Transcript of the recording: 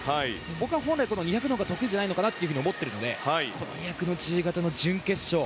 僕は本来２００のほうが得意じゃないかと思っているので２００の自由形の準決勝。